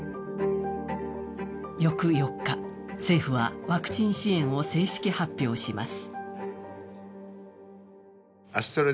翌４日、政府はワクチン支援を正式発表します。